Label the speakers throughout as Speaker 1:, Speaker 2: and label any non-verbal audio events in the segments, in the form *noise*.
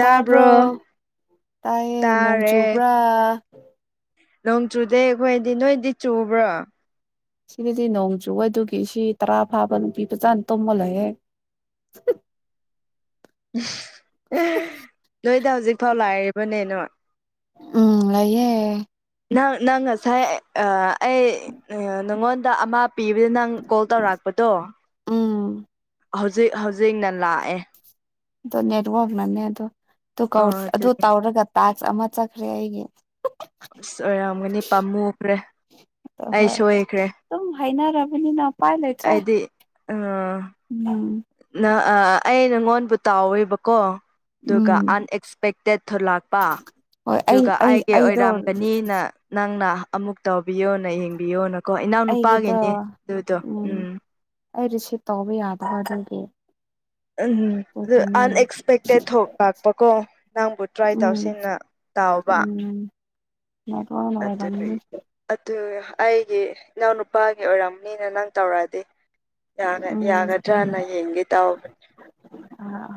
Speaker 1: ꯇꯥꯕ꯭ꯔꯣ ꯇꯥꯏꯌꯦ ꯅꯣꯡ
Speaker 2: ꯇꯥꯔꯦ
Speaker 1: ꯆꯨꯕ꯭ꯔꯥ
Speaker 2: ꯅꯣꯡ ꯆꯨꯗꯦ ꯑꯩꯈꯣꯏꯗꯤ ꯅꯣꯏꯗꯤ ꯆꯨꯕ꯭ꯔꯥ
Speaker 1: ꯁꯤꯗꯗꯤ ꯅꯣꯡ ꯆꯨꯕ ꯑꯗꯨꯒꯤ ꯁꯤ ꯇꯔꯥ ꯐꯥꯕ ꯅꯨꯄꯤ ꯐꯖꯥꯅ ꯇꯨꯝꯃ ꯂꯩꯌꯦ
Speaker 2: ꯅꯣꯏꯗ ꯍꯧꯖꯤꯛ ꯐꯥꯎ ꯂꯩꯔꯤꯕꯅꯦ ꯅꯣꯢ
Speaker 1: ꯎꯝ ꯂꯩꯌꯦ
Speaker 2: ꯅꯪ ꯅꯪ ꯉꯁꯥꯏ ꯑꯥ ꯑꯩ ꯅꯪꯉꯣꯟꯗ ꯑꯃ ꯄꯤꯕꯗ ꯅꯪ ꯀꯣꯜ ꯇꯧꯔꯛꯄꯗꯣ
Speaker 1: ꯎꯝ
Speaker 2: ꯍꯧꯖꯤꯛ ꯍꯧꯖꯤꯛꯅ ꯂꯥꯛꯑꯦ
Speaker 1: ꯑꯗꯨ ꯅꯦꯠꯋꯥꯛꯅꯅꯦ ꯑꯗꯨ ꯑꯗꯨ
Speaker 2: ꯑ
Speaker 1: ꯀꯧ
Speaker 2: ꯑꯗꯨꯒꯤ
Speaker 1: ꯇꯧꯔꯒ ꯇꯥꯥꯛꯁ ꯑꯃ ꯆꯠꯈ꯭ꯔꯦ ꯑꯩꯒꯤ
Speaker 2: ꯑꯁ ꯑꯣꯏꯔꯝꯒꯅꯤ ꯄꯥꯝꯃꯨꯈ꯭ꯔꯦ
Speaker 1: ꯑꯗꯣ
Speaker 2: ꯑꯩ
Speaker 1: ꯍꯣꯏ
Speaker 2: ꯁꯣꯏꯈ꯭ꯔꯦ
Speaker 1: ꯑꯗꯨꯝ ꯍꯥꯏꯅꯔꯕꯅꯤꯅ ꯎꯄꯥꯏ ꯂꯩꯇ꯭ꯔꯦ
Speaker 2: ꯑꯩꯗꯤ
Speaker 1: ꯎꯝ
Speaker 2: ꯑꯩ ꯅꯪꯉꯣꯟꯕꯨ ꯇꯥꯎꯋꯦꯕꯀꯣ ꯑꯗꯨꯒ
Speaker 1: ꯎꯝ
Speaker 2: ꯑꯟꯑꯛꯁꯄꯦꯛꯇꯦꯠ ꯊꯣꯛꯂꯥꯛ ꯄ
Speaker 1: ꯍꯣꯏ ꯑꯩ
Speaker 2: ꯑꯗꯨꯒ
Speaker 1: ꯑꯩ
Speaker 2: ꯑꯩꯒꯤ
Speaker 1: ꯑꯩꯗꯣ
Speaker 2: ꯑꯣꯏꯔꯝꯒꯅꯤꯅ ꯅꯪꯅ ꯑꯃꯨꯛ ꯇꯧꯕꯤꯌꯣꯅ ꯌꯦꯡꯕꯤꯌꯣꯅꯀꯣ ꯏꯅꯥꯎ
Speaker 1: ꯑꯩꯒꯤꯗꯣ
Speaker 2: ꯅꯨꯄꯥꯒꯤꯅꯦ ꯑꯗꯨꯗꯣ ꯎꯝ
Speaker 1: ꯑꯩ ꯔꯤꯁꯤꯞ ꯇꯧꯕ ꯌꯥꯗꯕ ꯑꯗꯨꯒꯤ
Speaker 2: ꯎꯝ ꯑꯗꯨ
Speaker 1: ꯑꯗꯨꯒꯤꯅꯦ
Speaker 2: ꯑꯟꯑꯛꯁꯄꯦꯛꯇꯦꯠ ꯊꯣꯛ ꯂꯥꯛꯄꯀꯣ ꯅꯪꯕꯨ ꯇ꯭ꯔꯥꯏ
Speaker 1: ꯎꯝ
Speaker 2: ꯇꯧꯁꯤꯅ ꯇꯥꯎꯕ
Speaker 1: ꯃꯥꯋꯥꯅ ꯑꯣꯢꯔꯝꯒꯅꯤ
Speaker 2: ꯑꯗꯨꯅꯤ ꯑꯩꯒꯤ ꯏꯅꯥꯎꯅꯨꯄꯥꯒꯤ ꯑꯣꯏꯔꯝꯅꯤꯅ ꯅꯪ ꯇꯧꯔꯛꯑꯗꯤ ꯌꯥꯒ
Speaker 1: ꯎꯝ
Speaker 2: ꯌꯥꯒꯗ꯭ꯔꯅ ꯌꯦꯡꯒꯦ ꯇꯥꯎꯕꯅꯤ
Speaker 1: ꯑꯥ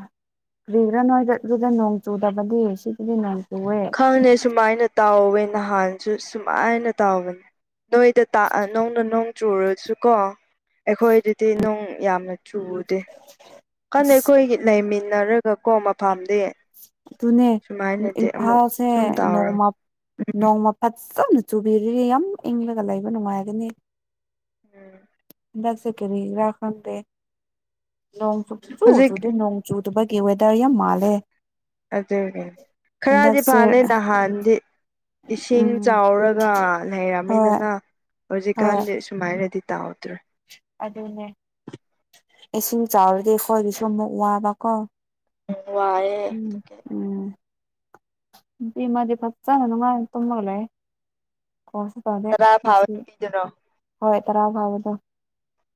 Speaker 1: ꯀ꯭ꯔꯤꯒꯤꯔꯥ ꯅꯣꯏꯗ ꯑꯗꯨꯨꯗ ꯅꯣꯡ ꯆꯨꯗꯕꯗꯤ ꯁꯤꯗꯗꯤ ꯅꯣꯡ ꯆꯨꯋꯦ
Speaker 2: ꯈꯪꯗꯦ ꯁꯨꯃꯥꯏꯅ ꯇꯥꯎꯋꯦ ꯅꯍꯥꯟꯁꯨ ꯁꯨꯃꯥꯏꯅ ꯇꯧꯕꯅꯦ ꯅꯣꯏꯗ ꯇꯥꯛ ꯅꯣꯡꯅ ꯅꯣꯡ ꯆꯨꯔꯁꯨꯀꯣ ꯑꯩꯈꯣꯏꯗꯗꯤ ꯅꯣꯡ ꯌꯥꯝꯅ ꯆꯨꯗꯦ ꯈꯪꯗꯦ
Speaker 1: ꯑꯁ
Speaker 2: ꯑꯩꯈꯣꯏ ꯂꯩꯃꯤꯟꯅꯔꯒꯀꯣ ꯃꯐꯝꯗꯤ
Speaker 1: ꯑꯗꯨꯅꯦ
Speaker 2: ꯁꯨꯃꯥꯏꯅꯗꯤ ꯑꯃꯨꯛ
Speaker 1: ꯏꯝꯐꯥꯜꯁꯦ
Speaker 2: ꯁꯨꯝ ꯇꯧꯔ
Speaker 1: ꯅꯣꯡꯃ ꯅꯣꯡꯃ ꯐꯖꯅ ꯆꯨꯕꯤꯔꯗꯤ ꯌꯥꯝ ꯏꯪꯂꯒ ꯂꯩꯕ ꯅꯨꯡꯉꯥꯏꯒꯅꯤ
Speaker 2: ꯎꯝ
Speaker 1: ꯍꯟꯗꯛꯁ‌ꯦ ꯀꯔꯤꯒꯤꯔ ꯈꯪꯗꯦ ꯅꯣꯡ ꯁꯨꯛꯆꯨ
Speaker 2: ꯍꯧꯖꯤꯛ
Speaker 1: ꯆꯨꯗ‌ꯦ ꯅꯣꯡ ꯆꯨꯗꯕꯒꯤ ꯋꯦꯗꯥꯔ ꯌꯥꯝ ꯃꯥꯜꯂꯦ ꯫
Speaker 2: ꯑꯗꯨꯅ‌ꯦ ꯈꯔꯗꯤ
Speaker 1: ꯍꯟꯗꯛꯁꯦ
Speaker 2: ꯐꯅꯤꯗ ꯅꯍꯥꯟꯗꯤ ꯏꯁꯤꯡ
Speaker 1: ꯎꯝ
Speaker 2: ꯆꯥꯎꯔꯒ
Speaker 1: ꯍꯣꯏ
Speaker 2: ꯂꯩꯔꯝꯃꯦꯗꯅ
Speaker 1: ꯍꯣꯏ
Speaker 2: ꯍꯧꯖꯤꯛꯀꯥꯟꯗꯤ ꯁꯨꯃꯥꯏꯅꯗꯤ ꯇꯧꯗ꯭ꯔꯦ ꯫
Speaker 1: ꯑꯗꯨꯅꯦ ꯏꯁꯤꯡ ꯆꯥꯎꯔꯗꯤ ꯈꯣꯏꯒꯤꯁꯨ ꯑꯃꯨꯛ ꯋꯥꯕꯀꯣ ꯫
Speaker 2: ꯎꯝ ꯋꯥꯏꯌ‌ꯦ ꯫
Speaker 1: ꯎꯝ ꯅꯨꯄꯤ ꯑꯃꯗꯤ ꯐꯖꯅ ꯅꯨꯡꯉꯥꯏꯅ ꯇꯨꯝꯃꯒ ꯂꯩꯌ‌ꯦ ꯫ ꯒꯣꯜꯁꯨ ꯄꯥꯢꯗꯦ
Speaker 2: ꯇꯔꯥ ꯐꯥꯕ ꯅꯨꯄꯤ‌ꯗꯨꯔ‌ꯣ
Speaker 1: ꯍꯣꯏ ꯇꯔꯥ ꯐꯥꯕꯗꯣ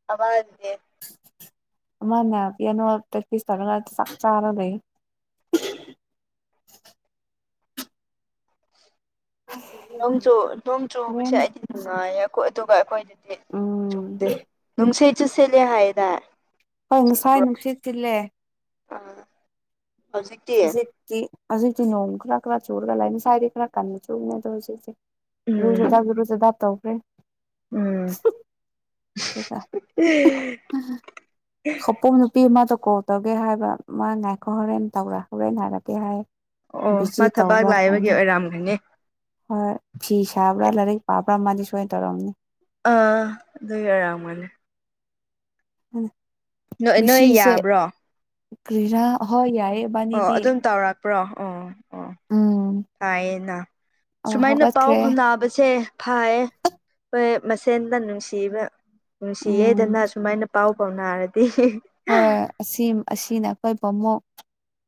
Speaker 2: *unintelligible* ꯑꯗꯨꯗ‌ꯦ
Speaker 1: ꯑꯃꯅ *unintelligible* ꯄ꯭ꯔꯥꯛꯇꯤꯁ ꯇꯧꯔꯒ ꯆꯥꯛ ꯆꯥꯔ ꯂꯩ ꯫
Speaker 2: ꯅꯣꯡ ꯆꯨ ꯅꯣꯡ ꯆꯨꯕꯁꯦ
Speaker 1: ꯍꯣꯔꯦꯟꯅ
Speaker 2: ꯑꯩꯗꯤ ꯅꯨꯡꯉꯥꯏꯌꯦ ꯑꯈ‌ꯣꯏ ꯑꯗꯨꯒ ꯑꯩꯈꯣꯏꯗꯤ *unintelligible*
Speaker 1: ꯎꯝ
Speaker 2: ꯆꯨꯗ‌ꯦ ꯅꯨꯡꯁꯤꯠꯁꯨ ꯁꯤꯠꯂ‌ꯦ ꯍꯥꯏꯌ‌ꯦꯗ ꯫
Speaker 1: ꯍ‌ꯣꯏ ꯉꯁꯥꯏ ꯅꯨꯡꯁꯤꯠ ꯁꯤꯠꯂꯦ ꯫
Speaker 2: ꯎꯝ
Speaker 1: ꯍꯧꯖꯤꯛꯇꯤ ꯍꯧꯖꯤꯛꯇꯤ ꯅꯣꯡ ꯈꯔ ꯈꯔ ꯆꯨꯔꯒ ꯂꯥꯏꯔꯤ ꯉꯁꯥꯏꯗꯤ ꯈꯔ ꯀꯟꯅ ꯆꯨꯕꯅꯦꯗ‌ꯣ ꯍꯧꯖꯤꯛꯇꯤ
Speaker 2: ꯎꯝ
Speaker 1: *unintelligible* ꯇꯧꯈ꯭ꯔꯦ
Speaker 2: ꯎꯝ
Speaker 1: *inaudible* ꯈꯧꯄꯨꯝ ꯅꯨꯄꯤ ꯑꯃꯗ ꯀꯣꯜ ꯇꯧꯒꯦ ꯍꯥꯏꯕ ꯃꯥ ꯉꯥꯏꯈꯣ ꯍꯣꯔꯦꯟ ꯇꯧꯔꯛ ꯍꯣꯔꯦꯟ ꯍꯥꯏꯔꯛꯀꯦ ꯍꯥꯏ ꯫
Speaker 2: ꯑꯣ ꯃꯥ
Speaker 1: ꯕꯤꯖꯤ
Speaker 2: ꯊꯕꯛ
Speaker 1: ꯇꯧꯕ꯭ꯔꯥ
Speaker 2: ꯂꯥꯛꯏꯕꯒꯤ
Speaker 1: ꯈꯪꯗ‌ꯦ ꯫
Speaker 2: ꯑꯣꯏꯔꯝꯒꯅꯤ
Speaker 1: ꯍꯣꯏ ꯐꯤ ꯁꯥꯕ꯭ꯔꯥ ꯂꯥꯏꯔꯤꯛ ꯄꯥꯕ꯭ꯔꯥ ꯑꯃꯗꯤ ꯁꯣꯏꯅ ꯇꯧꯔꯝꯅꯤ ꯫
Speaker 2: ꯑꯥ ꯑꯗꯨꯒꯤ ꯑ‌ꯣꯏꯔꯝꯒꯅꯤ ꯅꯣꯏ ꯅꯣꯏ
Speaker 1: ꯃꯤꯁꯤꯁꯦ
Speaker 2: ꯌꯥꯕ꯭ꯔꯣ
Speaker 1: ꯀꯔꯤꯔꯥ ꯍꯣꯏ ꯌꯥꯏꯌꯦ ꯫
Speaker 2: ꯑꯣ ꯑꯗꯨꯝ ꯇꯧꯔꯛꯄ꯭ꯔꯣ ꯑꯣ ꯑꯣ
Speaker 1: ꯎꯝ
Speaker 2: ꯐꯥꯏꯌꯦꯅ
Speaker 1: ꯑꯣ
Speaker 2: ꯁꯨꯃꯥꯏꯅ ꯄꯥꯎ
Speaker 1: ꯍꯧꯒꯠꯈ꯭ꯔꯦ
Speaker 2: ꯐꯥꯎꯅꯕꯁꯦ ꯐꯩꯌꯦ ꯫ ꯈꯣꯏ ꯃꯁꯦꯟꯗ ꯅꯨꯡꯁꯤꯕ
Speaker 1: ꯎꯝ
Speaker 2: ꯅꯨꯡꯁꯤꯌꯦꯗꯅ ꯁꯨꯃꯥꯏꯅ ꯄꯥꯎ ꯐꯥꯎꯅꯔꯗꯤ ꯫
Speaker 1: ꯍꯣꯏ ꯑꯁꯤ ꯑꯁꯤꯅꯦ ꯑꯩꯈꯣꯏꯕꯨ ꯑꯃꯨꯛ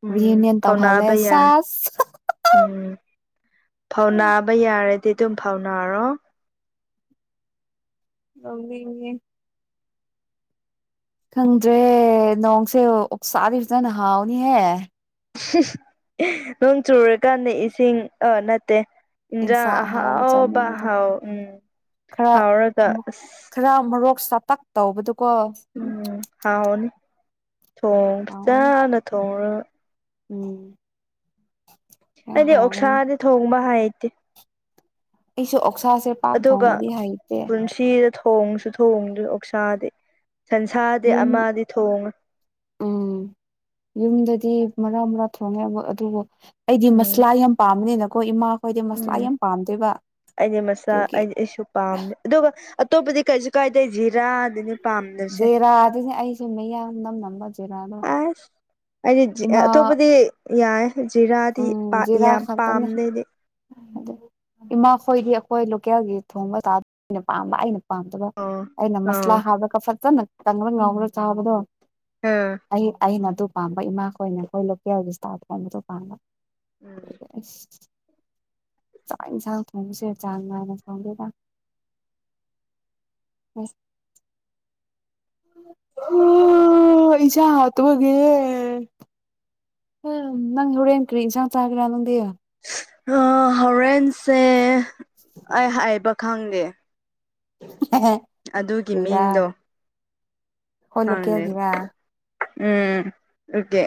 Speaker 2: ꯎꯝ
Speaker 1: ꯔꯤꯌꯨꯅꯤꯌꯟ ꯇꯧꯍꯜꯂꯦ
Speaker 2: ꯐꯥꯎꯅꯕ ꯌꯥꯏ
Speaker 1: ꯁ‌ꯦꯁ ꯫
Speaker 2: ꯎꯝ ꯐꯧꯅꯥꯕ ꯌꯥꯔꯗꯤ ꯑꯗꯨꯝ ꯐꯥꯎꯅꯔꯣ ꯫
Speaker 1: ꯇꯧꯅꯤꯡꯉ‌ꯦ ꯈꯪꯗ꯭ꯔꯦ ꯅꯣꯡꯁꯦ ꯑꯣꯛꯁꯥꯗꯤ ꯐꯖꯅ ꯍꯥꯎꯅꯤꯍꯦ ꯫
Speaker 2: *unintelligible* ꯅꯣꯡ ꯆꯨꯔꯀꯥꯟꯗ ꯏꯁꯤꯡ ꯑꯥ ꯅꯠꯇꯦ ꯏꯟꯖꯥꯡ
Speaker 1: ꯏꯟꯁꯥꯡ
Speaker 2: ꯑꯍꯥꯎꯕ
Speaker 1: ꯆꯥꯅꯤꯡꯕꯗꯣ
Speaker 2: ꯍꯥꯎ ꯎꯝ
Speaker 1: ꯈꯔ
Speaker 2: ꯍꯥꯎꯔꯒ ꯑꯁ
Speaker 1: ꯈꯔ ꯃꯣꯔꯣꯛ ꯁꯥꯇꯛ ꯇꯧꯕꯗꯨꯀꯣ
Speaker 2: ꯎꯝ ꯍꯥꯎꯔꯅꯤ ꯊꯣꯡ
Speaker 1: ꯍꯥꯎꯒꯅꯤ
Speaker 2: ꯐꯤꯖꯥꯅ ꯊꯣꯡꯔꯒ ꯫
Speaker 1: ꯎꯝ ꯌꯥꯝ
Speaker 2: ꯑꯩꯗꯤ
Speaker 1: ꯍꯥꯎꯒꯅꯤ
Speaker 2: ꯑꯣꯛꯁꯥꯗꯤ ꯊꯣꯡꯕ ꯍꯩꯇꯦ ꯫
Speaker 1: ꯑꯩꯁꯨ ꯑꯣꯛꯁꯥꯁ‌ꯦ
Speaker 2: ꯑꯗꯨꯒ ꯄꯨꯟꯁꯤꯗ ꯊꯣꯡꯁꯨ ꯊꯣꯡꯗ꯭‌ꯔꯤ ꯑ‌ꯣꯛꯁꯥꯗꯤ ꯫ ꯁꯟꯁꯥꯗꯤ
Speaker 1: ꯌꯨꯝ
Speaker 2: ꯑꯃꯗꯤ ꯊꯣꯡꯉꯦ ꯫
Speaker 1: ꯎꯝ ꯌꯨꯝꯗꯗꯤ ꯃꯔꯥꯛ ꯃꯔꯥꯛ ꯊꯣꯡꯉꯦꯕ ꯑꯗꯨꯕꯨ ꯑꯩꯗꯤ
Speaker 2: ꯎꯝ
Speaker 1: ꯃꯁꯂꯥ ꯌꯥꯝ ꯄꯥꯝꯕꯅꯤꯅꯀꯣ ꯏꯃꯥ
Speaker 2: ꯎꯝ ꯑꯩꯗꯤ ꯃꯁꯂꯥ
Speaker 1: ꯑꯗꯨꯒꯤ
Speaker 2: ꯑꯩꯗꯤ ꯑꯩꯁꯨ ꯄꯥꯝꯃꯦ ꯑꯗꯨꯒ ꯑꯇꯣꯞꯄꯗꯤ ꯀꯔꯤꯁꯨ ꯀꯥꯏꯗꯦ ꯖꯤꯔꯥ
Speaker 1: ꯖꯦꯔꯥ ꯑꯗꯨꯅꯦ ꯑꯩꯁꯨ ꯃꯌꯥꯡ ꯃꯅꯝ ꯅꯝꯕ ꯖꯦꯔꯥꯗꯣ
Speaker 2: ꯑꯁ ꯑꯩꯗꯤ
Speaker 1: ꯏꯃꯥ
Speaker 2: ꯑꯇꯣꯞꯄꯗꯤ ꯌꯥꯏꯌꯦ ꯖꯤꯔꯥꯗꯤ ꯄꯥ
Speaker 1: ꯎꯝ ꯖꯤꯔꯥ
Speaker 2: ꯌꯥꯝ
Speaker 1: ꯈꯛꯇꯅꯦ
Speaker 2: ꯄꯥꯝꯗꯦ ꯑꯩꯗꯤ
Speaker 1: *inaudible* ꯏꯃꯥꯈꯣꯏꯗꯤ ꯑꯩꯈꯣꯏ ꯂꯣꯀꯦꯜꯒꯤ ꯊꯣꯡꯕ ꯊꯥꯛꯕꯁꯤꯅ ꯄꯥꯝꯕ ꯑꯩꯅ ꯄꯥꯝꯇꯕ
Speaker 2: ꯑꯣ
Speaker 1: ꯑꯩꯅ ꯃꯁꯂꯥ
Speaker 2: ꯑꯣ
Speaker 1: ꯍꯥꯞꯄꯒ ꯐꯖꯅ ꯀꯪꯔꯥ ꯉꯧꯔ ꯆꯥꯕꯗꯣ
Speaker 2: ꯑꯝ
Speaker 1: ꯑꯩ ꯑꯩꯅ ꯑꯗꯨ ꯄꯥꯝꯕ ꯏꯃꯥꯈꯣꯏꯅ ꯑꯩꯈꯣꯢ ꯂꯣꯀꯦꯜꯒꯤ ꯁꯥ ꯊꯣꯡꯕꯗꯨ ꯄꯥꯝꯕ
Speaker 2: ꯎꯝ
Speaker 1: ꯑꯁ ꯆꯥꯛ ꯏꯟꯁꯥꯡ ꯊꯣꯡꯕꯁꯦ ꯆꯥꯡ ꯅꯥꯏꯅꯥ ꯊꯣꯡꯗꯦꯗꯥ *inaudible* *unintelligible* ꯌꯦꯟꯁꯥꯡ ꯍꯥꯎꯇꯕꯒꯤꯅꯦ ꯎꯝ ꯅꯪ ꯍꯣꯔꯦꯟ ꯀ꯭ꯔꯤ ꯏꯟꯁꯥꯡ ꯆꯥꯒꯦꯔꯥ ꯅꯪꯗꯤ
Speaker 2: ꯑꯥ ꯍꯧꯔꯦꯟꯁꯦ ꯑꯩ ꯍꯥꯏꯕ ꯈꯪꯗꯦ
Speaker 1: *unintelligible*
Speaker 2: ꯑꯗꯨꯒꯤ
Speaker 1: ꯀꯔꯤꯔꯥ
Speaker 2: ꯃꯤꯡꯗꯣ
Speaker 1: ꯑꯩꯈꯣꯏ
Speaker 2: ꯈꯪꯗꯦ
Speaker 1: ꯂꯣꯀꯦꯜꯒꯤꯔꯥ
Speaker 2: ꯎꯝ ꯎꯀꯦ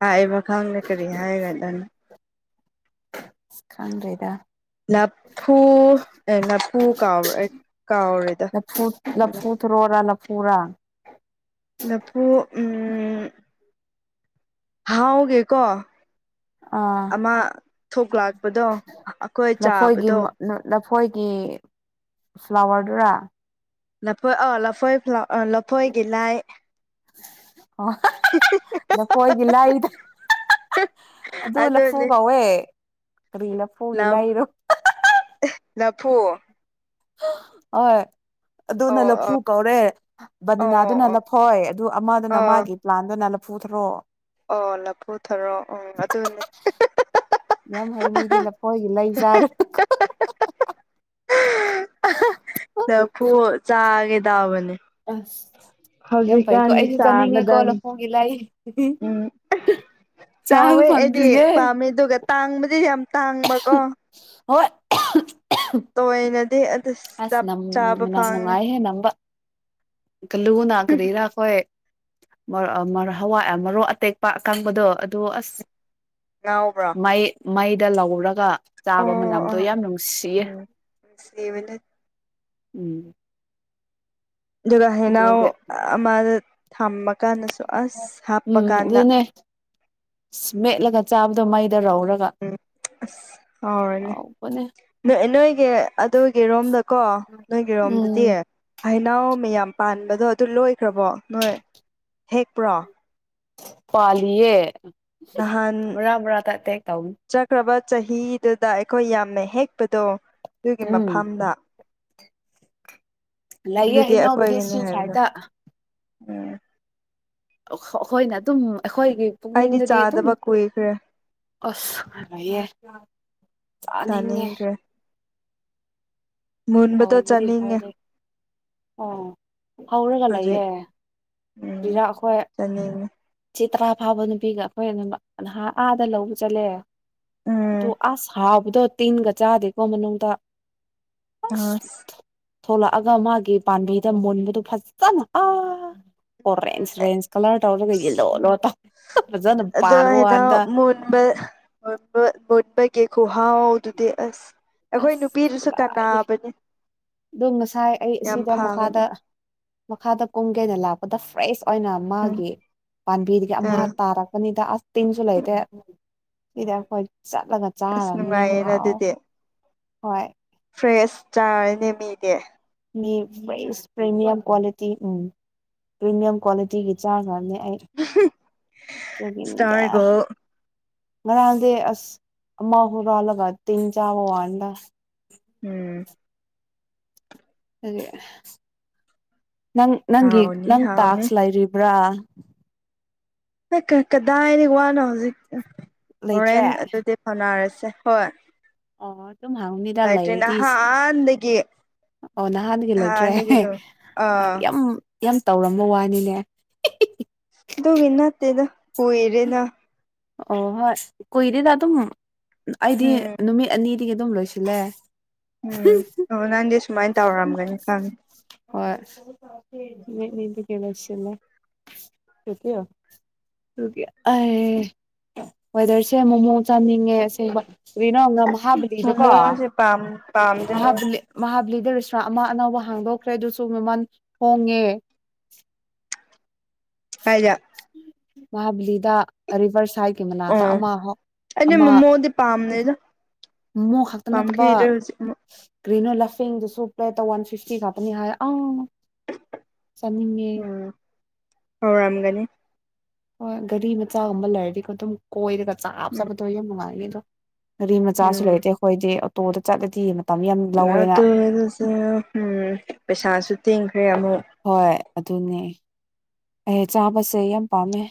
Speaker 2: ꯍꯥꯏꯕ ꯈꯪꯗꯦ ꯀꯔꯤ ꯍꯥꯏꯔꯗꯣꯏꯅꯣ
Speaker 1: ꯈꯪꯗ꯭ꯔꯦꯗ
Speaker 2: ꯂꯐꯨ ꯑꯦ ꯂꯐꯨ ꯀꯥꯎꯔ ꯑꯦ ꯀꯥꯎꯔꯣꯢꯗ
Speaker 1: ꯊꯥꯔꯣꯔꯥ ꯂꯐꯨꯔꯥ
Speaker 2: ꯂꯐꯨ ꯎꯝ ꯍꯥꯎꯒꯤꯀꯣ
Speaker 1: ꯑꯥ
Speaker 2: ꯑꯃ ꯊꯣꯛꯂꯥꯛꯄꯗꯣ ꯑꯩꯈꯣꯏ ꯆꯥꯕꯗꯣ
Speaker 1: ꯅ ꯂꯐꯣꯏꯒꯤ ꯐ꯭ꯂꯥꯋꯔꯗꯨꯔꯥ
Speaker 2: ꯂꯐꯣꯏ ꯑꯣ ꯂꯐꯣꯏ ꯐ꯭ꯂ ꯑꯥ ꯂꯐꯣꯏꯒꯤ ꯂꯥꯏ
Speaker 1: ꯑꯣ *unintelligible* ꯂꯐꯣꯏꯒꯤ ꯂꯥꯏꯗꯨ *unintelligible* ꯑꯗꯨ ꯂꯐꯨ ꯀꯧꯋꯦ ꯀꯔꯤꯅꯣ
Speaker 2: ꯂꯞ ꯑꯍꯦ ꯂꯐꯨ
Speaker 1: *unintelligible* ꯍꯣꯏ ꯑꯗꯨꯅ
Speaker 2: ꯑꯣ ꯑꯣ
Speaker 1: ꯂꯐꯨ ꯀꯧꯔꯦ ꯕꯅꯥꯅꯗꯨꯅ
Speaker 2: ꯑꯣ
Speaker 1: ꯂꯐꯣꯏ ꯑꯗꯨ ꯑꯃꯗꯨꯅ ꯃꯥꯒꯤ ꯄ꯭ꯂꯥꯟꯗꯨꯅ ꯂꯐꯨꯊ꯭ꯔꯣ
Speaker 2: ꯑꯣ ꯂꯐꯨꯊꯔꯣ ꯑꯣ ꯑꯗꯨꯅꯦ
Speaker 1: ꯌꯥꯝ ꯍꯩ ꯃꯤꯗꯤ ꯂꯐꯣꯏꯒꯤ ꯂꯩ ꯆꯥꯔꯦ
Speaker 2: *unintelligible* ꯂꯥꯐꯨ ꯆꯥꯒꯦ ꯇꯥꯎꯕꯅꯦ
Speaker 1: ꯑꯝ ꯌꯥꯝ ꯐꯩꯀꯣ ꯑꯩꯁꯨ ꯆꯥꯅꯤꯡꯉꯦ ꯀꯣ
Speaker 2: ꯆꯥꯕꯗ
Speaker 1: ꯂꯐꯨꯒꯤ ꯂꯥꯢ
Speaker 2: ꯎꯝ
Speaker 1: *unintelligible* ꯆꯥꯕ
Speaker 2: ꯍꯥꯎꯋꯦ ꯑꯩꯗꯤ
Speaker 1: ꯐꯪꯗ꯭ꯔꯤꯌꯦ
Speaker 2: ꯄꯥꯝꯃꯦ ꯑꯗꯨꯒ ꯇꯥꯡꯕꯗꯤ ꯌꯥꯝ ꯇꯥꯡꯕꯀꯣ
Speaker 1: ꯍꯣꯏ
Speaker 2: ꯇꯣꯏꯅꯗꯤ ꯑꯗꯨ ꯆꯞ ꯆꯥꯕ ꯐꯪꯗꯦ
Speaker 1: ꯑꯦ ꯅꯝꯕ ꯀꯂꯨꯅ ꯀꯔꯤꯔ ꯈꯣꯏ ꯃꯔ ꯑ ꯃꯔꯣꯏ ꯍꯋꯥꯏ ꯑ ꯃꯣꯔꯣꯛ ꯑꯇꯦꯛꯄ ꯑꯀꯪꯕꯗꯣ ꯑꯗꯨ ꯑꯁ
Speaker 2: ꯉꯥꯎꯕ꯭ꯔꯥ
Speaker 1: ꯑꯩ ꯃꯩꯗ ꯂꯧꯔꯒ ꯆꯥꯕ
Speaker 2: ꯑꯣ
Speaker 1: ꯃꯅꯝꯗꯣ
Speaker 2: ꯑꯣ
Speaker 1: ꯌꯥꯝ ꯅꯨꯡꯁꯤꯌꯦ
Speaker 2: ꯎꯝ ꯅꯨꯡꯁꯤꯕꯅꯦ
Speaker 1: ꯎꯝ
Speaker 2: ꯑꯗꯨꯒ ꯍꯩꯅꯧ
Speaker 1: ꯑꯗꯨꯒꯤ
Speaker 2: ꯑꯃꯗ ꯊꯝꯃꯀꯥꯟꯗꯁꯨ
Speaker 1: ꯎꯝ ꯑꯗꯨꯅꯦ ꯃꯦꯠꯂꯒ ꯆꯥꯕꯗꯣ ꯃꯩꯗ ꯂꯧꯔꯒ
Speaker 2: ꯎꯝ ꯑꯁ ꯍꯥꯎꯔꯅꯦ
Speaker 1: ꯃꯥꯅꯦ
Speaker 2: ꯅꯣꯏ ꯅꯣꯏꯒꯤ ꯑꯗꯨꯒꯤꯔꯣꯝꯗꯀꯣ ꯅꯣꯏꯒꯤꯔꯣꯝꯗꯗꯤ
Speaker 1: ꯎꯝ
Speaker 2: ꯍꯩꯅꯧ ꯃꯌꯥꯝ ꯄꯥꯟꯕꯗꯣ ꯑꯗꯨ ꯂꯣꯏꯈ꯭ꯔꯕꯣ ꯅꯣꯏ ꯍꯦꯛꯄ꯭ꯔꯣ
Speaker 1: ꯄꯥꯜꯂꯤꯌꯦ
Speaker 2: ꯅꯍꯥꯟ
Speaker 1: ꯃꯔꯥ ꯃꯔꯥꯗ ꯑꯦꯇꯦꯛ ꯇꯧꯅꯤ
Speaker 2: ꯆꯠꯈ꯭ꯔꯕ ꯆꯍꯤꯗꯨꯗ ꯑꯩꯈꯣꯏ ꯌꯥꯝꯅ ꯍꯦꯛꯄꯗꯣ ꯑꯗꯨꯒꯤ
Speaker 1: ꯎꯝ
Speaker 2: ꯃꯐꯝꯗ
Speaker 1: ꯂꯩꯌꯦ
Speaker 2: ꯑꯗꯨꯗꯤ
Speaker 1: ꯍꯩꯅꯧꯕꯨꯗꯤ
Speaker 2: ꯑꯩꯈꯣꯏꯒꯅꯤ
Speaker 1: ꯁꯤ
Speaker 2: ꯍꯥꯏꯕꯗꯣ
Speaker 1: ꯁꯥꯏꯗ
Speaker 2: ꯎꯝ
Speaker 1: ꯑꯩꯈꯣꯏꯅ ꯑꯗꯨꯝ ꯑꯩꯈꯣꯏꯒꯤ
Speaker 2: ꯑꯩꯗꯤ
Speaker 1: ꯄꯨꯛꯅꯤꯡꯗꯗꯤ ꯑꯗꯨꯝ
Speaker 2: ꯆꯥꯗꯕ ꯀꯨꯏꯈ꯭ꯔꯦ
Speaker 1: ꯑꯁ ꯂꯩꯌꯦ ꯆꯥꯅꯤꯡꯉꯦ
Speaker 2: ꯆꯥꯅꯤꯡꯈ꯭ꯔꯦ ꯃꯨꯟꯕꯗꯣ
Speaker 1: ꯍꯥꯎꯕꯗꯤ
Speaker 2: ꯆꯥꯅꯤꯡꯉꯦ
Speaker 1: ꯍꯥꯎꯗꯦ ꯑꯣ ꯍꯧꯔꯒ
Speaker 2: ꯍꯧꯖꯤꯛ
Speaker 1: ꯂꯩꯌꯦ
Speaker 2: ꯎꯝ
Speaker 1: ꯁꯤꯗ ꯑꯩꯈꯣꯏ
Speaker 2: ꯆꯥꯅꯤꯡꯉꯦ
Speaker 1: ꯁꯤ ꯇꯔꯥ ꯐꯥꯕ ꯅꯨꯄꯤꯒ ꯑꯩꯈꯣꯏ ꯑꯗꯨꯝꯍ ꯑꯥꯗ ꯂꯧꯕ ꯆꯠꯂꯦ ꯑꯗꯨ
Speaker 2: ꯎꯝ
Speaker 1: ꯑꯁ ꯍꯥꯎꯕꯗꯣ ꯇꯤꯟꯒ ꯆꯥꯗꯦꯀꯣ ꯃꯅꯨꯡꯗ ꯑꯁ ꯊꯣꯛꯂꯛꯑꯒ ꯃꯥꯒꯤ ꯄꯥꯕꯤꯗ ꯃꯨꯟꯕꯗꯨ ꯐꯖꯅ ꯑꯥ
Speaker 2: ꯎꯝ
Speaker 1: ꯑꯣꯔꯦꯟꯖ ꯔꯦꯟꯖ ꯀꯥꯂꯔ ꯇꯧꯔꯒ ꯌꯦꯂꯣ ꯂꯣ ꯇꯧꯋꯦ ꯐꯖꯅ ꯄꯥꯟꯕ ꯋꯥꯅꯤꯗ
Speaker 2: ꯃꯦꯠ ꯃꯕ *unintelligible* ꯃꯟꯕꯒꯤ ꯈꯨꯍꯥꯎꯗꯨꯗꯤ ꯑꯁ ꯑꯩꯈꯣꯏ
Speaker 1: ꯑꯁ
Speaker 2: ꯅꯨꯄꯤꯗꯨꯁꯨ
Speaker 1: ꯀꯗꯥꯏꯗꯒꯤ
Speaker 2: ꯀꯥꯟꯅꯕꯅꯤ
Speaker 1: ꯑꯗꯨꯝ ꯉꯁꯥꯏ ꯑꯩ
Speaker 2: ꯌꯥꯝ
Speaker 1: ꯑꯁꯤꯗ
Speaker 2: ꯐꯕꯅꯦ
Speaker 1: ꯃꯈꯥꯗ ꯃꯈꯥꯗ ꯀꯨꯝꯒꯦꯅ ꯂꯥꯛꯄꯗ ꯐ꯭ꯔꯦꯁ ꯑꯣꯏꯅ
Speaker 2: ꯎꯝ
Speaker 1: ꯃꯥꯒꯤ ꯄꯥꯝꯕꯤꯗꯒꯤ ꯑꯃ
Speaker 2: ꯑꯥ
Speaker 1: ꯇꯥꯔꯛꯄꯅꯤꯗ ꯑꯁ ꯇꯤꯟꯁꯨ ꯂꯩꯇꯦ ꯁꯤꯗ ꯑꯩꯈꯣꯏ ꯆꯠꯂꯒ
Speaker 2: ꯑꯁ
Speaker 1: ꯆꯥꯔꯅꯤ ꯌꯥꯝ
Speaker 2: ꯅꯨꯡꯉꯥꯏꯌꯦꯅ
Speaker 1: ꯍꯥꯎꯋꯦ
Speaker 2: ꯑꯗꯨꯗꯤ
Speaker 1: ꯍꯣꯏ
Speaker 2: ꯐ꯭ꯔꯦꯁ ꯆꯥꯔꯦꯅꯦ ꯃꯤꯗꯤ
Speaker 1: ꯃꯤ ꯄ꯭ꯔꯤꯃꯤꯌꯝ ꯀ꯭ꯋꯥꯂꯤꯇꯤ ꯎꯝ ꯄ꯭ꯔꯤꯃꯤꯌꯝ ꯀ꯭ꯋꯥꯂꯤꯇꯤꯒꯤ ꯆꯥꯒ꯭ꯔꯝꯅꯦ ꯑꯩ ꯑꯗꯨꯒꯤꯅꯤꯗ
Speaker 2: ꯁꯇꯥꯔꯒꯣ
Speaker 1: ꯉꯔꯥꯡꯗꯤ ꯑꯁ ꯑꯃ ꯍꯨꯔꯜꯂꯕ ꯇꯤꯟ ꯆꯥꯕꯩ ꯋꯥꯅꯤꯗ
Speaker 2: ꯎꯝ
Speaker 1: ꯑꯗꯨꯒꯤ ꯅꯪ ꯅꯪꯒꯤ
Speaker 2: ꯍꯥꯎꯅꯤ
Speaker 1: ꯅꯪ
Speaker 2: ꯍꯥꯎꯅꯤ
Speaker 1: ꯇꯥꯛꯁ ꯂꯩꯔꯤꯕ꯭ꯔꯥ
Speaker 2: ꯀ ꯀꯗꯥꯏꯗꯩ ꯋꯥꯅꯣ ꯍꯧꯖꯤꯛ
Speaker 1: ꯂꯩꯇ꯭ꯔꯦ
Speaker 2: ꯍꯣꯔꯦꯟ ꯑꯗꯨꯗꯤ ꯐꯥꯎꯅꯔꯁꯦ ꯍꯣꯏ
Speaker 1: ꯑꯣ ꯗꯨꯝ ꯍꯥꯎꯅꯤ
Speaker 2: ꯂꯩꯇ꯭ꯔꯦ ꯅꯍꯥꯟꯗꯒꯤ
Speaker 1: ꯑꯣ ꯅꯍꯥꯟꯗꯒꯤ ꯂꯩꯇ꯭ꯔꯦ
Speaker 2: ꯅꯍꯥꯟꯗꯒꯤ ꯂꯣꯏ ꯑꯥ
Speaker 1: ꯌꯥꯝ ꯌꯥꯝ ꯇꯧꯔꯝꯕꯩ ꯋꯥꯅꯤꯅꯦ
Speaker 2: ꯑꯗꯨꯒꯤ ꯅꯠꯇꯦꯗ ꯀꯨꯏꯔꯦꯅ
Speaker 1: ꯑꯣ ꯍꯣꯏ ꯀꯨꯏꯗꯦꯗ ꯑꯗꯨꯝ ꯑꯩꯗꯤ
Speaker 2: ꯎꯝ
Speaker 1: ꯅꯨꯃꯤꯠ ꯑꯅꯤꯗꯩ ꯑꯗꯨꯝ ꯂꯣꯏꯁꯤꯜꯂꯦ
Speaker 2: ꯎꯝ ꯑꯣ ꯅꯪꯗꯤ ꯁꯨꯃꯥꯏꯅ ꯇꯧꯔꯝꯒꯅꯤ ꯈꯪꯉꯦ
Speaker 1: ꯍꯣꯏ ꯅꯨꯃꯤꯠ ꯅꯤꯅꯗ ꯂꯣꯢꯁꯤꯜꯂꯦ *unintelligible* ꯑꯗꯨꯒꯤ ꯑꯦ ꯋꯦꯗꯥꯔꯁꯦ ꯃꯣꯃꯣ ꯆꯥꯅꯤꯡꯉꯦ ꯑꯁꯦꯡꯕ ꯀꯔꯤꯅꯣ ꯃꯍꯥꯕꯂꯤꯗꯀꯣ
Speaker 2: ꯃꯣꯃꯣꯁꯦ ꯄꯥꯝ ꯄꯥꯝꯗ꯭ꯔꯦ
Speaker 1: ꯃꯍꯥꯂꯤ ꯃꯍꯥꯕꯂꯤꯗ ꯑꯃ ꯑꯅꯧꯕ ꯍꯥꯡꯗꯣꯛꯈ꯭ꯔꯦ ꯑꯗꯨꯁꯨ ꯃꯃꯜ ꯍꯣꯡꯉꯦ
Speaker 2: ꯀꯥꯢꯗ
Speaker 1: ꯃꯍꯥꯕꯂꯤꯗ ꯔꯤꯚꯔ ꯁꯥꯏꯠꯀꯤ ꯃꯅꯥꯛꯇ ꯑꯃ ꯑꯃ
Speaker 2: ꯗꯤ ꯄꯥꯝꯗꯦꯗ
Speaker 1: ꯃꯣꯃꯣ ꯈꯛꯇ ꯅꯠꯇꯕ
Speaker 2: ꯄꯥꯝꯈꯤꯗ꯭ꯔꯦ ꯍꯧꯖꯤꯛ
Speaker 1: ꯒ꯭ꯔꯤꯅꯣ ꯂꯐꯤꯡꯗꯨꯁꯨ ꯄ꯭ꯂꯦꯠꯇ ꯋꯥꯟ ꯐꯤꯐꯇꯤ ꯈꯥꯛꯇꯅꯤ ꯍꯥꯏꯌꯦ ꯑꯥ ꯆꯅꯤꯡꯉꯦ
Speaker 2: ꯎꯝ ꯍꯧꯔꯝꯒꯅꯤ
Speaker 1: ꯍꯣꯏ ꯒꯥꯔꯤ ꯃꯆꯥꯒꯨꯝꯕ ꯂꯩꯔꯗꯤꯀꯣ ꯑꯗꯨꯝ ꯀꯣꯏꯔꯒ ꯆꯥꯞ
Speaker 2: ꯎꯝ
Speaker 1: ꯆꯥꯕꯗꯣ ꯌꯥꯝ ꯅꯨꯡꯉꯥꯏꯅꯤ ꯑꯗꯣ ꯒꯥꯔꯤ ꯃꯆꯥꯁꯨ ꯂꯩꯇꯦ
Speaker 2: ꯎꯝ
Speaker 1: ꯑꯩꯈꯣꯏꯗꯤ ꯑꯣꯇꯣꯗ ꯆꯠꯂꯗꯤ ꯃꯇꯝ ꯌꯥꯝ ꯂꯧꯋꯦꯅ
Speaker 2: ꯑꯗꯨ ꯄꯩꯁꯥꯁꯨ ꯇꯦꯡꯈ꯭ꯔꯦ ꯑꯃꯨꯛ
Speaker 1: ꯍꯣꯏ ꯑꯗꯨꯅꯦ ꯑꯦ ꯆꯥꯕꯁꯦ ꯌꯥꯝ ꯄꯥꯝꯃꯦ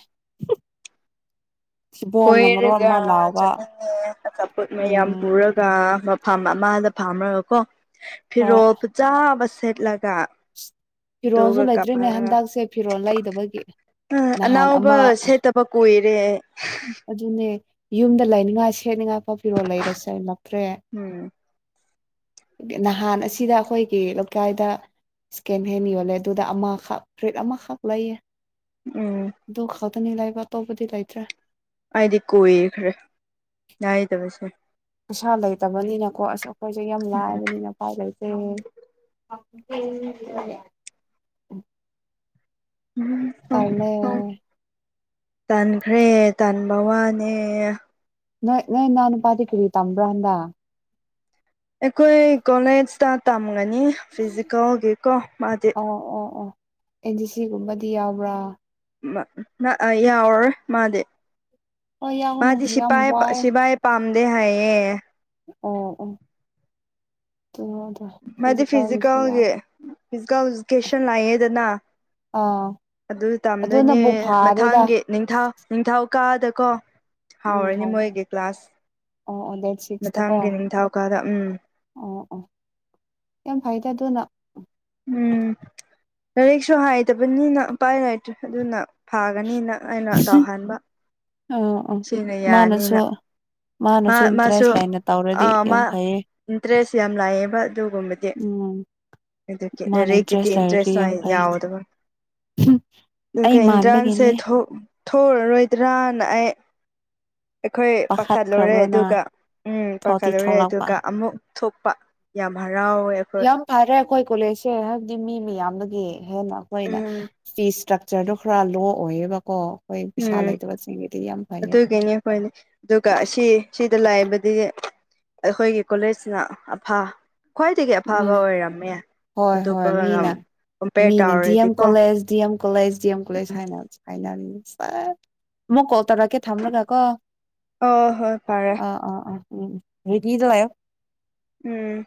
Speaker 1: ꯊꯤꯕꯣꯡꯅ ꯃꯔꯣꯟ
Speaker 2: ꯀꯣꯏꯔꯒ
Speaker 1: ꯑꯃ ꯂꯥꯎꯕ
Speaker 2: ꯆꯠꯅꯤꯡꯉꯦ ꯑꯆꯥꯄꯣꯠ ꯃꯌꯥꯝ
Speaker 1: ꯎꯝ
Speaker 2: ꯄꯨꯔꯒ ꯃꯐꯝ ꯑꯃꯗ ꯐꯥꯝꯃꯒ ꯀꯣ
Speaker 1: ꯍꯣꯏ
Speaker 2: ꯐꯤꯔꯣꯜ ꯐꯖꯕ ꯁꯦꯠꯂꯒ
Speaker 1: ꯐꯤꯔꯣꯜꯁꯨ
Speaker 2: ꯑꯗꯨꯒ
Speaker 1: ꯂꯩꯇ꯭ꯔꯤꯅꯦ ꯍꯟꯗꯛꯁꯦ ꯐꯤꯔꯣꯜ ꯂꯩꯗꯕꯒꯤ
Speaker 2: ꯑ
Speaker 1: ꯅꯍꯥꯟ
Speaker 2: ꯑꯅꯥꯎꯕ
Speaker 1: ꯑꯃ
Speaker 2: ꯁꯦꯠꯇꯕ ꯀꯨꯏꯔꯦ
Speaker 1: ꯑꯗꯨꯅꯦ ꯌꯨꯝꯗ ꯂꯩꯅꯤꯡꯉꯥꯏ ꯁꯦꯠꯅꯤꯉꯥꯏ ꯐꯥꯎꯕ ꯐꯤꯔꯣꯜ ꯂꯩꯁꯤꯜꯂꯛꯇ꯭ꯔꯦ
Speaker 2: ꯎꯝ
Speaker 1: ꯅꯍꯥꯟ ꯑꯁꯤꯗ ꯑꯩꯈꯣꯏꯒꯤ ꯂꯩꯀꯥꯏꯗ ꯏꯁꯀꯦꯟ ꯍꯦꯟ ꯌꯣꯜꯂꯦ ꯑꯗꯨꯗ ꯑꯃꯈꯛ ꯐꯨꯔꯤꯠ ꯑꯃꯈꯛ ꯂꯩꯌꯦ
Speaker 2: ꯎꯝ
Speaker 1: ꯑꯗꯨ ꯈꯛꯇꯅꯤ ꯂꯩꯕ ꯑꯇꯣꯞꯄꯗꯤ ꯂꯩꯇ꯭ꯔꯦ
Speaker 2: ꯑꯩꯗꯤ ꯀꯨꯏꯈ꯭ꯔꯦ ꯂꯩꯗꯕꯁꯦ
Speaker 1: ꯄꯩꯁꯥ ꯂꯩꯇꯕꯅꯤꯅꯀꯣ ꯑꯁ ꯑꯩꯈꯣꯏꯁꯦ ꯌꯥꯝ ꯂꯥꯏꯕꯅꯤꯅ ꯎꯄꯥꯏꯂꯩꯇꯦ *unintelligible* ꯇꯜꯂꯦ
Speaker 2: *unintelligible* ꯇꯟꯈ꯭ꯔꯦ ꯇꯟꯕ ꯋꯥꯅꯦ
Speaker 1: ꯅꯣꯏ ꯅꯅꯥꯎꯅꯨꯄꯥꯗꯤ ꯀꯔꯤ ꯇꯝꯕ꯭ꯔ ꯍꯟꯗꯛ
Speaker 2: ꯑꯩꯈꯣꯏ ꯀꯣꯂꯦꯖꯇ ꯇꯝꯒꯅꯤ ꯐꯤꯖꯤꯀꯦꯜꯒꯤꯀꯣ ꯃꯥꯗꯤ
Speaker 1: ꯑꯣ ꯑꯣ ꯑꯣ ꯑꯦꯟ ꯁꯤ ꯁꯤ ꯒꯨꯝꯕꯗꯤ ꯌꯥꯎꯕ꯭ꯔꯥ
Speaker 2: ꯌꯥꯎꯔꯔꯣꯏ ꯃꯥꯗꯤ
Speaker 1: ꯍꯣꯏ ꯌꯥꯎꯒꯅꯨ
Speaker 2: ꯃꯥꯗꯤ
Speaker 1: ꯌꯥꯝ
Speaker 2: ꯁꯤꯄꯥꯏ
Speaker 1: ꯋꯥꯏ
Speaker 2: ꯁꯤꯕꯥꯏ ꯄꯥꯝꯗꯦ ꯍꯥꯏꯌꯦ
Speaker 1: ꯑꯣ ꯑꯣ *unintelligible*
Speaker 2: ꯃꯥꯗꯤ
Speaker 1: ꯐꯤꯖꯤꯀꯦꯜꯒꯤꯁꯨ ꯌꯥꯏ
Speaker 2: ꯐꯤꯖꯤꯀꯦꯜꯒꯤ ꯐꯤꯖꯤꯀꯦꯜ ꯏꯖꯨꯀꯦꯁꯟ ꯂꯥꯛꯑꯦꯗꯅ
Speaker 1: ꯑꯥ
Speaker 2: ꯑꯗꯨ ꯇꯝꯗꯣꯏꯅꯦ
Speaker 1: ꯑꯗꯨꯅꯕꯨ ꯐꯥꯔꯦꯗ
Speaker 2: ꯃꯊꯪꯒꯤ ꯅꯤꯡꯊꯧ ꯅꯤꯡꯊꯧ ꯀꯥꯕꯗꯀꯣ
Speaker 1: ꯎꯝ
Speaker 2: ꯍꯧꯔꯅꯤ
Speaker 1: ꯍꯧ
Speaker 2: ꯃꯣꯏꯒꯤ
Speaker 1: ꯑꯣ ꯑꯣ ꯗꯦꯠ
Speaker 2: ꯀ꯭ꯂꯥꯁ
Speaker 1: ꯁꯤꯛꯁꯇꯀꯣ
Speaker 2: ꯃꯊꯪꯒꯤ ꯅꯤꯡꯊꯧꯀꯥꯕꯗ ꯎꯝ
Speaker 1: ꯑꯣ ꯑꯣ ꯌꯥꯝ ꯐꯩꯗ ꯑꯗꯨꯅ
Speaker 2: ꯎꯝ ꯂꯥꯏꯔꯤꯛꯁꯨ ꯍꯩꯇꯕꯅꯤꯅ ꯎꯄꯥꯏ ꯂꯩꯇ꯭ꯔꯦ ꯑꯗꯨꯅ ꯐꯥꯒꯅꯤꯅ ꯑꯩꯅ ꯇꯧꯍꯟꯕ
Speaker 1: ꯑꯣ
Speaker 2: ꯁꯤꯅ ꯌꯥꯅꯤꯅ ꯃꯥ
Speaker 1: ꯃꯥꯅꯁꯨ
Speaker 2: ꯃꯥꯁꯨ
Speaker 1: ꯏꯟꯇꯔꯦꯁ ꯂꯩꯥꯅ ꯇꯧꯔꯗꯤ
Speaker 2: ꯑꯥ ꯃꯥ
Speaker 1: ꯌꯥꯝ ꯐꯩꯌꯦ
Speaker 2: ꯏꯟꯇꯔꯦꯁ ꯌꯥꯝ ꯂꯥꯛꯑꯦꯕ ꯑꯗꯨꯒꯨꯝꯕꯗꯤ
Speaker 1: ꯎꯝ
Speaker 2: ꯑꯗꯨꯒꯤ
Speaker 1: ꯃꯥꯅ
Speaker 2: ꯂꯥꯏꯔꯤꯛꯀꯤꯗꯤ
Speaker 1: ꯂꯩꯔꯗꯤ
Speaker 2: ꯏꯟꯇꯔꯦꯁ
Speaker 1: ꯌꯥꯝ
Speaker 2: ꯈꯔ
Speaker 1: ꯐꯩ
Speaker 2: ꯌꯥꯎꯗꯕ
Speaker 1: ꯑꯩ
Speaker 2: *unintelligible* ꯏꯟꯇ꯭ꯔꯥꯟꯁꯦ
Speaker 1: ꯃꯥꯟꯕꯒꯤꯅꯦ
Speaker 2: ꯊꯣꯛ ꯊꯣꯛꯑꯔꯣꯏꯗ꯭ꯔꯅ ꯑꯩ ꯑꯩꯈꯣꯏ ꯄꯥꯈꯠꯂꯨꯔꯦ
Speaker 1: ꯄꯥꯈꯠꯈ꯭ꯔꯕ꯭ꯔꯣ ꯅꯪ
Speaker 2: ꯑꯗꯨꯒ ꯎꯝ
Speaker 1: ꯊꯣꯛꯇꯤ
Speaker 2: ꯄꯥꯈꯠꯂꯨꯔꯦ
Speaker 1: ꯊꯣꯛꯂꯛꯄ
Speaker 2: ꯑꯗꯨꯒ ꯑꯃꯨꯛ ꯊꯣꯛꯄ ꯌꯥꯝ ꯍꯔꯥꯎꯋꯦ ꯑꯩꯈꯣꯏ
Speaker 1: ꯌꯥꯝ ꯐꯔꯦ ꯑꯩꯈꯣꯏ ꯀꯣꯂꯦꯖꯁꯦ ꯍꯥꯏꯕꯗꯤ ꯃꯤ ꯃꯤꯌꯥꯝꯗꯒꯤ ꯍꯦꯟꯅ ꯑꯩꯈꯣꯏꯅ
Speaker 2: ꯎꯝ
Speaker 1: ꯐꯤ ꯏꯁꯇ꯭ꯔꯛꯆꯔꯗꯣ ꯈꯔ ꯂꯣ ꯑꯣꯏꯌꯦꯕꯀꯣ ꯑꯩꯈꯣꯏ ꯄꯩꯁꯥ
Speaker 2: ꯎꯝ
Speaker 1: ꯂꯩꯇꯕꯁꯤꯡꯒꯤꯗꯤ ꯌꯥꯝ ꯐꯩꯌꯦ
Speaker 2: ꯑꯗꯨꯒꯤꯅꯦ ꯑꯩꯈꯣꯏꯅꯦ ꯑꯗꯨꯒ ꯑꯁꯤ ꯁꯤꯗ ꯂꯩꯕꯗꯤ ꯑꯩꯈꯣꯏꯒꯤ ꯀꯣꯂꯦꯖꯁꯤꯅ ꯑꯐ ꯈ꯭ꯋꯥꯏꯗꯒꯤ ꯑꯐꯕ
Speaker 1: ꯎꯝ
Speaker 2: ꯑꯣꯏꯔꯝꯃꯦ
Speaker 1: ꯍꯣꯏ
Speaker 2: ꯑꯇꯣꯞꯄ
Speaker 1: ꯍꯣꯏ
Speaker 2: ꯂꯝ
Speaker 1: ꯃꯤꯅ ꯃꯤꯅ DM college DM college DM college ꯍꯥꯏꯅ ꯍꯥꯏꯅꯔꯤꯃꯤ ꯁꯦꯁ ꯑꯃꯨꯛ ꯀꯣꯜ ꯇꯧꯔꯛꯀꯦ ꯊꯝꯂꯒ ꯀꯣ
Speaker 2: ꯑ ꯍꯣꯏ ꯐꯔꯦ
Speaker 1: ꯑꯥ ꯑꯥ ꯑꯥ ꯎꯝ ꯔꯦꯗꯤꯗ ꯂꯩꯌꯨ
Speaker 2: ꯎꯝ